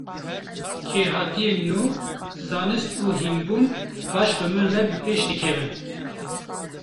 Kêrhatiyên nû, zanist û hînbûn, baş bi min re bi pêş dikevin.